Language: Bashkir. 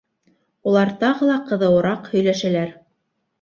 Улар тағы ла ҡыҙыуыраҡ һөйләшәләр: